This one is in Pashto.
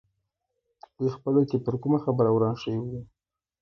دوی خپلو کې پر کومه خبره وران شوي وو.